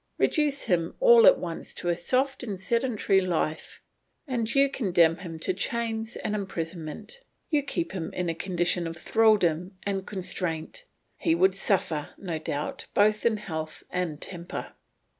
Reduce him all at once to a soft and sedentary life and you condemn him to chains and imprisonment, you keep him in a condition of thraldom and constraint; he would suffer, no doubt, both in health and temper.